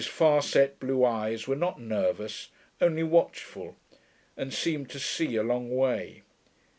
His far set blue eyes were not nervous, only watchful, and seemed to see a long way.